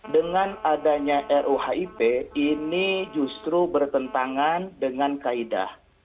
dengan adanya ruhip ini justru bertentangan dengan kaedah